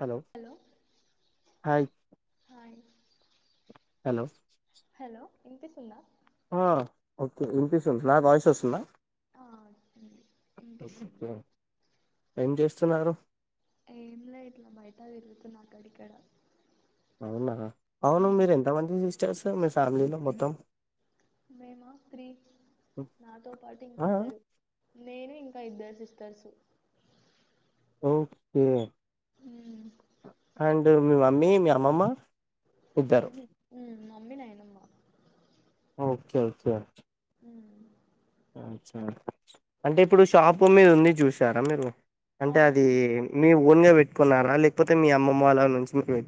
Hello hi hi hello hello ఇన్పిస్తుందా? ఆ okay ఇనిపిస్తుంది నా వాయిస్ వస్తుందా ఆ వినిపిస్తుంది వినిపిస్తుంది. ఏం చేస్తున్నారు ఎం లే ఇట్లా బయట తిరుగుతున్నా అక్కడిక్కడ అవునా అవును మీరు ఎంతమంది సిస్టర్స్ మీ ఫ్యామిలీలో మొత్తం మేమా త్రి నాతో పాటు ఆ ఇంకిద్దరు నేను ఇంకా ఇద్దరు సిస్టర్సు ఓకే అండ్ మీ మమ్మీ మీ అమ్మమ్మ ఇద్దరు మమ్మీ నాయనమ్మా ఓక్కే ఓకే అచ్ఛా అంటే ఇప్పుడు షాప్ మీది ఉంది చూసారా మీరు అంటే అది అవునవును మీ ఓన్ గా పెట్టుకున్నారా లేకపోతే మీ అమ్మమ్మ వాళ్ళ నుంచి మీర్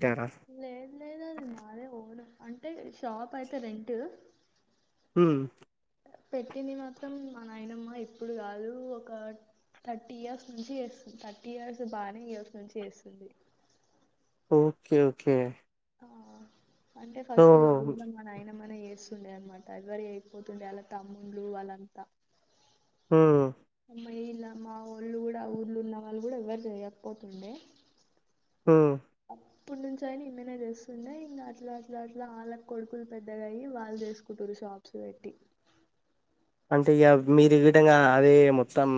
లేదు లేదు అది మాదే ఓన్ అంటే షాప్ అయితే రెంట్ హ్మ్ పెట్టింది మాత్రం మా నాయనమ్మ ఇప్పుడు కాదు ఒకా థర్టీ ఇయర్స్ నుంచి చేస్తుంది థర్టీ ఇయర్స్ బాగానే ఇయర్స్ నుంచి చేస్తుంది ఓకే ఓకే ఆ అంటే ఫస్ట్ మా ఊళ్లో మా నాయన మ్మనే చేస్తుండే అనమాట ఎవరూ చేయపోతుండే వాళ్ల తమ్ముండ్లు వాళ్ళంత మ్మ్ఁ మహిళ మా వోళ్ళు కూడ ఊర్లు ఉన్న వాళ్ళు కూడ ఎవరు చేయకపోతుండే హ్మ్ అప్పుటి నుంచి ఆయన ఈమెనే చేస్తుండే ఇంగ అట్లా అట్లా అట్లా ఆళ్ళ కొడుకులు పెద్దగాయి వాళ్ళు చేసుకుటురు షాప్స్ పెట్టి అంటే ఇగ మీరు గిటంగా అదే మొత్తం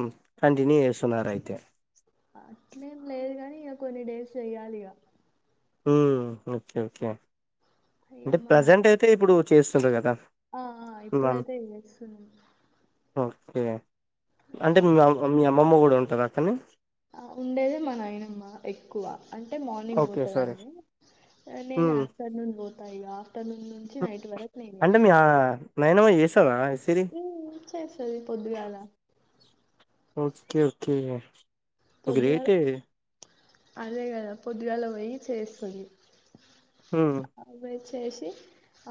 కంటిన్యూ చేస్తున్నరు అయితే అట్లేం లేదు గాని ఇగ కొన్ని డేస్ చెయ్యాలి ఇగా మ్మ్ఁ ఓకే ఓకే ఇక అంటే మా నాయ ప్రజెంట్ అయితే ఇప్పుడు చేస్తుండ్రు కదా! ఆ ఆ మమ్ ఇప్పుడైతే చేస్తున్నం ఓకే అంటే మా మీ అమ్మమ్మ కూడా ఉంటదా అక్కన్నేఁ ఆ ఉండేదే మా నాయినమ్మా ఎక్కువ అంటే మార్నింగ్ ఓకే సరే పోతదండి. నేను హ్మ్ ఆఫ్టర్నూన్ పోతా‌ ఇగా ఆఫ్టర్నూన్ నుంచి నైట్ వరకు నేనే అంటే మీ ఆ నాయనమ్మ చేస్తదా ఇసిరి మ్ఁ చేసెయ్ పొద్దుగాల ఓకే ఓకే పొద్దుగాల గ్రేటే అదే కదా పొద్దుగాల పోయి చేస్తది హ్మ్ ఆమె చేసి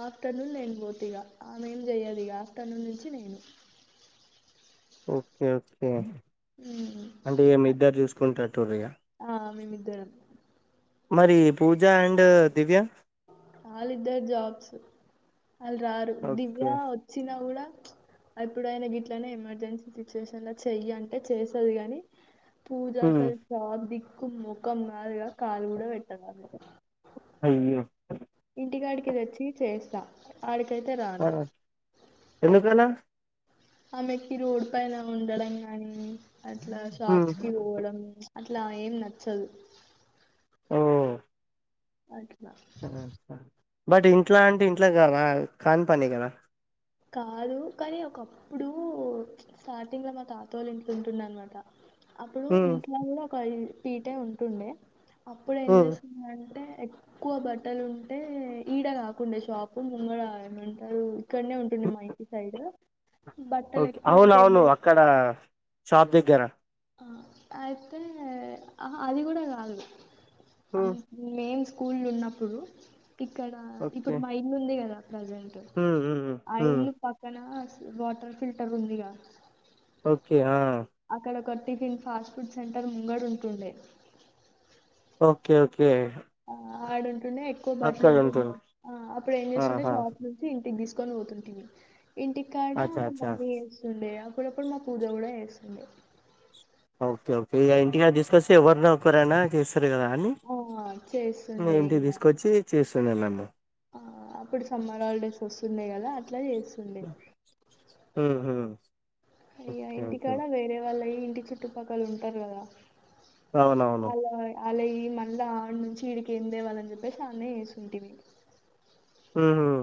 ఆఫ్టర్నూన్ నేను పోత ఇగ, ఆమె ఏం చెయ్యదు ఇగ ఆఫ్టర్నూన్ నుంచి నేను. ఓకే ఓకే ఉమ్ అంటే ఏం మీ ఇద్దరు చూసుకుంటట్టు ఉండేట్లు ఇగా మిద్దరం మరీ పూజ అండ్ దివ్య ఆలిద్దరు జాబ్స్ ఆల్ రారు ఓకే దివ్యా వచ్చిన గూడ ఎప్పుడు ఆయన గిట్లనే ఎమర్జెన్సీ సిచ్యువేషన్ ల చెయ్యి అంటే చేస్తది గానీ పూజ‌ హ్మ్ అసలు శాప్ దిక్కు ముఖం మొఖం కాదుగా, కాలు గూడ పెట్టదామే. అయ్యె ఇంటికాడికి తెచ్చి చేస్త ఆడి అర్రె ఎందుకలా ఆమెకి రోడ్ పైన ఉండడం గాని, అట్లా హ్మ్ షాప్స్ కి పోవడం అట్లా ఏం నచ్చదు మ్మ్ఁ అఓకే ఆఁ స బట్ ఇంట్లా అంటే ఇంట్ల గా రా కాని పని కదా కాదు కానీ ఒకప్పుడు స్టార్టింగ్ లో మా తాతోళ్ళ ఇంట్లో ఉంటుండే అనమాట అప్పుడు ఉమ్ ఇంట్లో కూడ ఒక పీటే ఉంటుండే, అప్పుడు ఏం ఉమ్ చేస్తుండే అంటే ఎక్కువ బట్టలు ఉంటే ఈడ కాకుండే ఆ షాపు ముంగడా ఏమంటారు ఇక్కడ్నే తిను మా ఇంటి సైడు ఓకే అవునవును అక్కడా షాప్ దగ్గర ఆ అయితే అహ అది కూడ కాదు అం ఉమ్ మేమ్ స్కూల్ ఉన్నప్పుడు ఇక్కడ ఓకే ఇప్పుడు మా ఇల్లు ఉంది కదా ప్రజెంట్ ఉమ్ ఉమ్ ఆ ఉమ్ ఇల్లు పక్కన వాటర్ ఫిల్టర్ ఉందిగా ఓకే ఆ అక్కడ ఒక టిఫిన్ ఫాస్ట్ ఫుడ్ సెంటర్ ముంగడ ఉంటుండే ఓకే ఓకే ఆ ఆడుంటుండే ఎక్కువ బట్టలు అక్కడ ఉంటు ఉంటుంది ఆ అప్పుడు ఏం చేస్తుండే ఆహా షాప్ నుంచి ఇంటికి తీసు కొని పోతుంటి ఇంటికాడ అచ్చా మా అచ్చా మమ్మీ ఏస్తుండే అప్పుడప్పుడు మా పూజ కూడా ఏస్తుండే ఓకే ఓకే ఇగా ఇంటికాదా తీసుకొస్తే ఎవరినా ఒక్కరైనా చేస్ సర్ కా అని ఆ యంగా చేస్తుండే ఇంటికి ఇంగా తీసుకొచ్చి చేస్తుండే నన్ను ఆ అప్పుడు సమ్మర్ హాలిడేస్ వస్తుండే కదా అట్లా చేస్తుండే ఉహుమ్ అయ్యా ఇంటికాడ వేరే వాళ్ళుయి ఇంటి చుట్టుపక్కల ఉంటారు కదా అవునవును అల్లాయి మళ్ళా ఆడి నుంచి ఇడికి ఎందే వలని చెప్పేసి అన్నే ఏస్తుంటిమి ఉహుం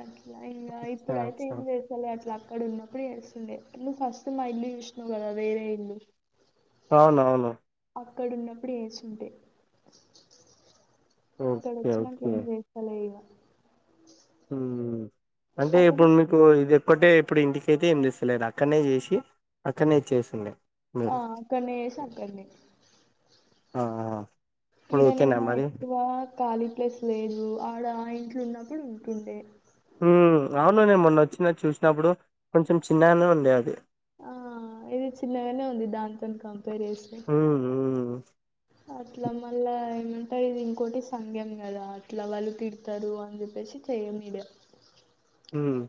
అట్లా ఇంగా ఇప్పుడైతే ఏం చేస్తాలే అట్లా అక్కడ ఉన్నప్పుడు ఏస్తుండే నువ్ అ ఫస్ట్ మా ఇల్లు యుష్ణవు కదా వేరే ఇల్లు అవునవును అక్కడ ఉన్నప్పుడు ఏస్తుంటే ఇక్కడ ఓకే వచ్చినంక ఓకే ఏం చేస్తాలే ఇగ ఉమ్ అంటే అక్కడ ఇప్పుడు మీకు ఇది ఎప్ ఒక్కటే ఇప్పుడు ఇంటికైతే ఏం తెస్తలేదు అక్కడనే చేసి అక్కడనే ఇచ్చేసిండే ఆ మీరు అక్కన్నే ఏషీ అక్కన్నే ఆ ఇప్పుడు ఇడ ఓకేనా నేమో మరి ఎక్కువ ఖాళీ ప్లేస్ లేదు ఆడ ఆ ఇంట్లో ఉన్నప్పుడు ఉంటుండే అవును నేన్ మొన్న వచ్చిన చూసినప్పుడు కొంచెం చిన్నగానే ఉండే అది ఆ ఇది చిన్నగానే ఉంది దాంతో కంపేర్ చేస్తే హ్మ్ హ్మ్ అట్లా మళ్ళా ఏమంటారు ఇది ఇంకోటి సంఘ్యం కదా అట్లా వాళ్ళు తిడతారు అని చెప్పేసి చేయ్ మీదే హ్మ్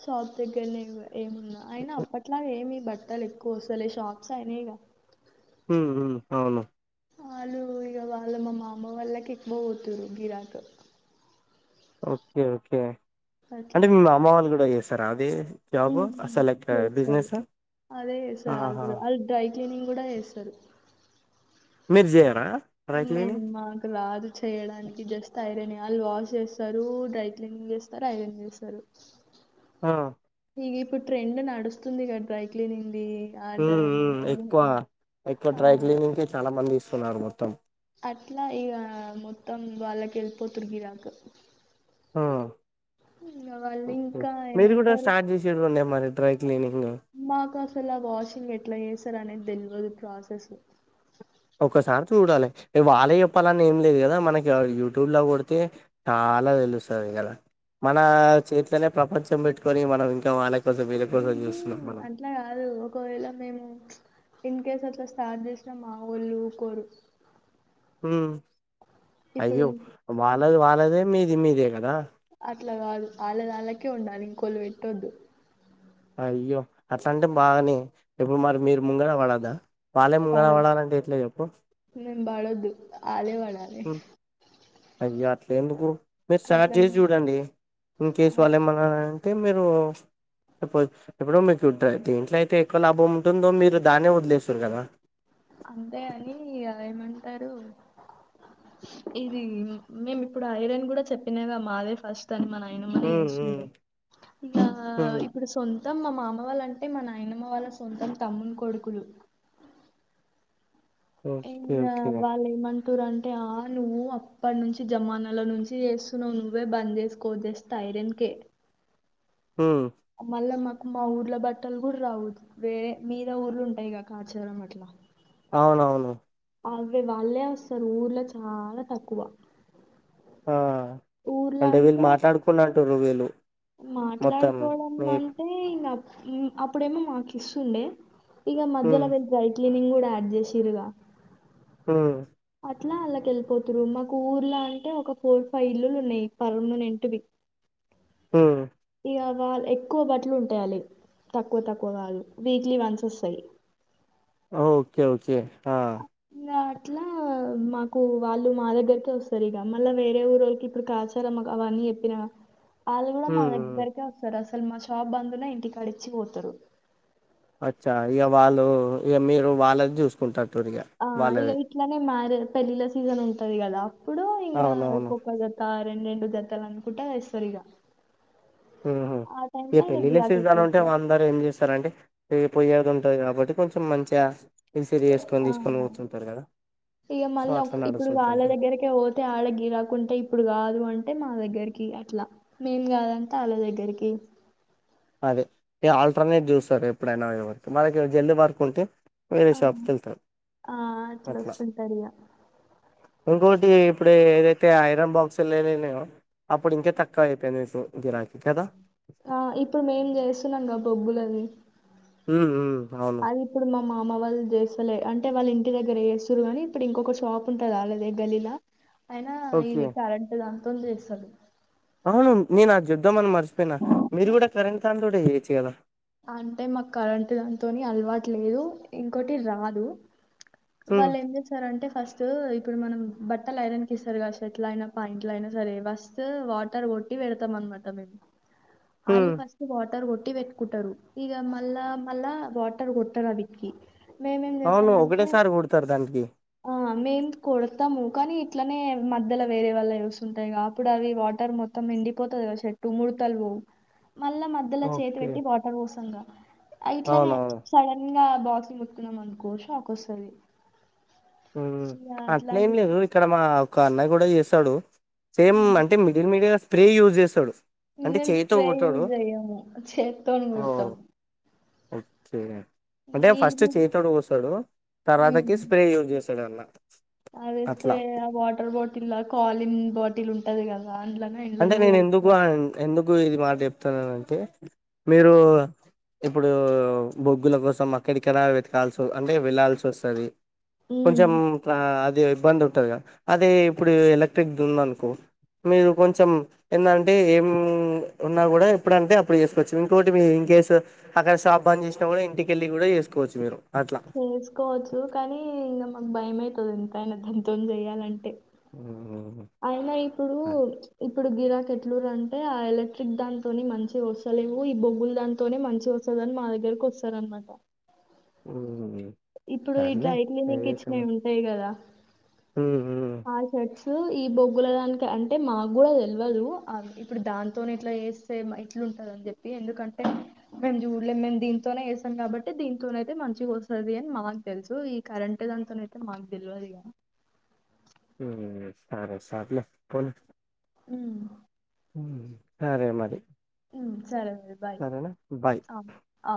షాప్ దగ్గరనే ఏం ఏమున్నా అయిన అప్పట్లా ఏమి బట్ ఎక్కువ ఆస్తులే షాప్స్ అయినాయిగా హుమ్ హు అవును వాళ్ళు ఇగ వాళ్ళ మా మామ వాళ్ళకి ఎక్కువ పోతుారు గిరాక్ ఓకే ఓకే అంటే అట్లా మీ మామ వాళ్ళు కూడా చేస్తారా అది జాబ్ ఉమ్, సెలక్ట్ చేస్తారు బిజినెస్ అదే ఆ చేస్తారు వాళ్ళు కూడా వాళ్ళు డ్రై క్లీనింగ్ కూడా ఏస్తరు మీరు చేయరా డ్రై మేం క్లీనింగ్ మాకురాదు చేయడానికి జస్ట్ ఐరెనే వాళ్ళు వాష్ చేస్తారు డ్రై క్లీనింగ్ చేస్తారు ఐరన్ చేస్తారు ఆ ఇగ ఇప్పుడు ట్రెండ్ నడుస్తుంది క డ్రై క్లీనింగ్ ఉమ్ ఉమ్ ఎక్కువ ఎక్కువ ఆ, డ్రై క్లీనింగ్ కి చాలా మంది ఇస్తున్నారు మొత్తం అట్లా ఇగ మొత్తం వాళ్ళకి యెళ్ళిపోతుర్రు గిరాకు ఆ ఇంకా వాళ్ళు ఓకే ఇంకా మీరు గూడా ఏమంటారు స్టార్ట్ జేసేదుండే మరి డ్రై క్లీనింగ్ మాకు అసలు ఆ వాషింగ్ ఎట్లా జేస్తరు అనేది దెల్ వదు ప్రాసెస్ ఒకసారి చూడాలి వాళ్ళే చెప్పాలని ఏం లేదు గదా మనకి యూట్యూబ్ లో గొడితే టా ఆలా దెలుస్తది గదా మన చేత్లనే ప్రపంచం పెట్టుకొని మనం ఇంకా వాళ్ళకి ఉమ్ హు అట్లా గాదు ఒకవేళ మేము ఇన్ కేస్ అట్లా స్టార్ట్ జేసిన మా వోళ్ళు ఊకోరు ఉమ్ అయ్యో ఇప్పుడు వాళ్ళది వాళ్ళదే మీది మీదే గదా అట్లా గాదు ఆళ్ళది ఆళ్ళకే ఉండాలి ఇంకోళ్ళు బెట్టొద్దు అయ్యో అట్లాంటే బాగనే ఇప్పుడు మరి మీరు ముంగర బడొద్దా వాళ్ళె ముంగర పాడొద్దు బడాలంటే ఎట్ల జెప్పు ఆళ్ళె బడాలే హు అయ్య అట్ల ఎందుకు మీరు స్టార్ట్ చేసి అట్లనే జూడండి ఇన్ కేస్ వాళ్ళు ఏమన్నా అంటే మీరు సపోజ్ ఇప్పుడు మీకు దీంట్లో అయితే ఎక్కువ లాభం ఉంటుందో మీరు దాన్నే వదిలేస్తురు గదా అంతే అని ఇగ ఏమంటరు ఇది మేము ఇప్పుడు ఐరన్ గూడా చెప్పినగా మాదే ఫస్ట్ తని మా నాయనమ్మ నే జేస్తుంది ఉమ్ ఇగ ఉమ్ ఇప్పుడు సొం తం మా మామ వాళ్ళ అంటే మా నాయనమ్మ వాళ్ళ సొంతం తమ్ముని కొడుకులు ఓకే ఇంగా ఓకే వాళ్ళు ఏమన్ టురంటే ఆ నువ్వు అప్పటి నుంచి జమానాలో నుంచి జేస్తున్నావ్ నువ్వే బంద్ జేసుకో జేస్తే అయి ఐరన్ కే హ్మ్ మళ్ళ మా మా ఊర్ల బట్టలు గూడా రావు వేరే మీద ఊర్లు ఉంటాయిగా కాచారం అట్లా అవునవును అవ్వే వాళ్ళే వస్తరు ఊర్లో చాలా తక్కువ ఆ అంటే వీళ్ళు మాట్లాడుకున్నట్టురు వీళ్ళు మొత్తం మాట్లాడుకోవడం మీ అంటే ఇంగ అప్పుడేమో మాకు ఇస్తుండే ఇగ హ్మ్. మధ్యలో వెల్ డ్రైక్లీనింగ్ గూడా ఆడ్డ్ జేసిర్రుగా ఉమ్ అట్లా అల్ల కెళ్ళిపోతురు మాకు ఊర్లా అంటే ఒక ఫోర్ ఫైవ్ ఇల్లులు ఉన్నాయి పర్మెనెంటివి ఉమ్ ఇగ వాళ్ ఎక్కువ బట్టలు ఉంటాయి ఆళ్ళయ్ తక్కువ తక్కువ గాదు వీక్లీ వన్స్ వస్తాయి ఆ ఓకే ఓకే ఆ ఇగ అట్లా మాకు వాళ్ళు మా దగ్గరకే వస్తరు ఇగ మళ్ళా వేరే ఊరోళ్ళకి ఇప్పుడు కాచారమ్మా గవన్నీ జెప్పిన [inaudible] ఆళ్ళు గూడా మా హ్మ్. హ్మ్. దగ్గరకే వస్తరు అసలు మా షాప్ బందున్నా ఇంటికాడిచ్చి పోతరు అచ్చా ఇగ వాళ్ళు ఇగ మీరు వాళ్ళది జూసుకుంటారు ఆ ఇగ ఇట్లనే మార పెళ్ళిళ్ళ సీజన్ ఉంటది గదా అప్పుడు ఇంగా అవునవును ఒక్కొక్క బెడతారు రెంరెండు జత్తల్ అనూకుంటా దెస్తరిగ ఉమ్ హు ఇగ పెళ్ళిళ్ళ గిరాకీ సీజన్ ఎక్కువ ఉంటే వస్తది అందరు ఏం జేస్తారంటే పోయదు ఉంటంది కాబట్టి కొంచెం మంచిగా రిసీవ్ చేసుకొని ఆ తీసుకొని పోతుంటరు కదా ఇగ సో మళ్ళ అట్లా ఇప్పుడు వాళ్ళ నడుస్తుంటుంటారు దగ్గరీకే పోతే ఆడ గీరాకుంటే ఇప్పుడు కాదు అంటే మా దగ్గర దగ్గరికి అట్లా మేమ్ కాదంటే ఆళ్ళ దగ్గరికి అదే ఇగ ఆల్టర్నేట్ చూస్తారు ఎప్పుడైనా ఎవరికి మనకి జల్ది వర్క్ ఉంటే వేరే ఆ షాప్కి వెళ్తారు ఆ అట్లా వస్తుంటది ఇగ ఇంకోటి ఇప్పుడు ఏదైతే ఐరన్ బాక్స్లు లేయో అప్పుడు ఇంకే తక్కువ అయిపోయింది మీకు గిరా కదా ఆ ఇప్పుడు మేం చేస్తున్నాంగా బొగ్గులది ఉమ్ ఉమ్ అవును మామ వాళ్ళు చేస్తలే, అంటే వాళ్ళు ఇంటి దగ్గర చేస్తురు గాని, ఇప్పుడు ఇంకొక షాప్ ఉంటది అల్లదే గల్లిల అయినా ఓకే ఇది కరెంట్ దాంతోనీ చేస్తరు. అవును నేను ఆది చూద్దామ్ అని మర్చిపోయిన, మీరు కూడా కరెంట్ దాంతోటే చేయొచ్చు కదా? అంటే మాకు కరెంటు దాంతోని అలవాటు లేదు. ఇంకోటి రాదు. ఉమ్ వాళ్ళు ఏం చేస్తారంటే ఫస్ట్ ఇప్పుడు మనం బట్టలు ఐరన్కి ఇస్తారు కదా షర్ట్లైన, పాయింట్లైన సరే ఫస్ట్ వాటర్ కొట్టి వెడ్తం అన్మాట మేం, ఉమ్ ఆల్లు ఫస్ట్ వాటర్ కొ ట్టి వెట్టుకుంటాడు. ఇగ మల్ల మల్ల వాటర్ కొట్టాడానికి అవును ఒకటేసారి కోడ్ ఆ మేం కొడ్తాము కానీ ఇట్లనే మధ్యల వేరే వల్లయివోస్తుంటాయి గా అప్పుడు అవి వాటర్ మొత్తం ఎండిపోతది గదా శెట్టు మూడు ఊతల్ ఓ మళ్ళ మధ్యల చేతి ఓకే వెట్టి వాటర్ వొస్తాం గా, ఇట్లనే అవునవును. సడన్ గా బాక్స్నీ ముట్టుకున్నాం అనుకో షాకొస్తది. ఉమ్ అట్నే ఏం అట్లాంటి లేదు ఇక్కడ మా ఒక అన్న కూడ చేస్తడు. సేమ్ హ్మ్. అంటే మిడిల్ మిడిల్ స్ప్రే యూజ్ చేస్తడు. మేం స్ప్రే యూస్ జెయ్యము చేతోని కొడ్తము. ఒక్కే అంటే ఫస్ట్ చెయ్యితోటి పోస్తాడు తర్వాతకి హ్మ్. స్ప్రే యూజ్ చేస్ సరేన్న అదే స్ప్రే ఆ వాటర్ బాటిల్ల కాలిన్ బాటిల్ ఉంటది కదా అందులోనో అంటే ఇండ్లోనో నేను ఎందుకు పోస్తారు ఎందుకు ఇది మాట చెప్తున్ననంటే మీరు ఇప్పుడు బొగ్గుల కోసం అక్కడిక్కడ వెతకాల్సి ఉ అంటే వెళ్లాల్సొస్తది. ఉమ్, కొంచం ట్ర అది బంద్ ఉంటంది గదా అదే ఇప్పుడు ఎలక్ట్రిక్ది ఉందనుకొ మీరు కొంచెం ఎందంటే ఏం ఉన్నా కూడా ఎప్పుడంటే అప్పుడు చేసుకోవచ్చు. ఇంకోటి మీ ఇన్కేసు అక్కడ శాప్బంజ్ చేసినా గూడ, ఇంటికెళ్ళి గుడ చేసుకోవచ్చు మీరు అట్లా చేసుకోవచ్చు కానీ, ఇగ మాకు భయమైతది ఎంతైనా దంతోంనీచేయాలంటే ఆ అయిన ఇప్పుడు ఇప్పుడు గిరాక్ ఏట్లుర్ అంటే ఆ ఎలక్ట్రిక్ దానితోని మంచి ఒస్తలేవు ఈ బొగ్గులు దానితోనే మంచి వస్త గాని మా దగ్గరకి వస్తారన్మాట ఓగే ఇప్పుడు ఈ డ్రైక్లినింగ్ ఇచ్చినయి ఉంటాయి గదా ఉమ్ ఉమ్ ఆ షర్ట్స్ ఇప్పుడు ఈ బొగ్గుల దానికి అంటే మాకు గూడ తెల్వదు. ఆ ఇప్పుడు దాంతోనే ఇట్లా జెస్తే ఇట్లా ఉంటందని చెప్పి ఎందుకంటే మేము చూడలేము. మేము దీంతోనే జేస్తం కాబట్టి దీనితోనయితే మంచిగా ఒస్తది. మాగ్ తెల్సు ఈ కరెంట్దంతోనైతే మాగ్ తెల్వదిగా సరే సర్లే పోని ఉమ్ ఉమ్ సరే మరి ఉమ్ సరేనండి బాయ్ సరేనా బాయ్ ఆ ఆ